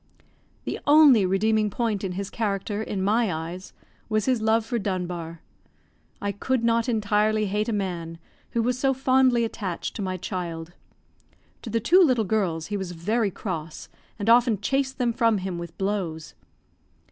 The only redeeming point in his character, in my eyes, was his love for Dunbar. I could not entirely hate a man who was so fondly attached to my child. To the two little girls he was very cross, and often chased them from him with blows.